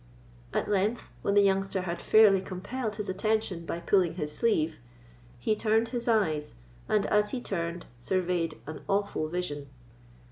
At length, when the youngster had fairly compelled his attention by pulling his sleeve, He turned his eyes, and, as he turned, survey'd An awful vision.